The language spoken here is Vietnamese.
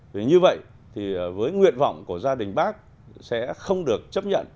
vì như vậy thì với nguyện vọng của gia đình bác sẽ không được chấp nhận